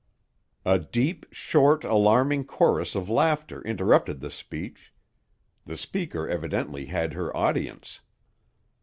A deep, short, alarming chorus of laughter interrupted the speech. The speaker evidently had her audience.